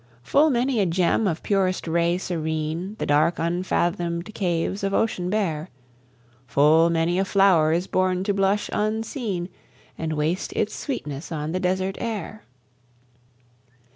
Full many a gem of purest ray serene, The dark unfathom'd caves of ocean bear: Full many a flower is born to blush unseen, And waste its sweetness on the desert air.